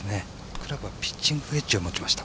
クラブはピッチングウェッジを持ちました。